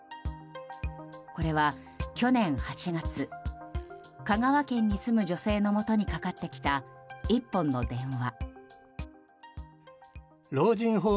これは去年８月香川県に住む女性のもとにかかってきた１本の電話。